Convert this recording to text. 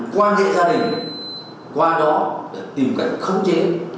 qua nghệ gia đình qua đó tìm cách khống chế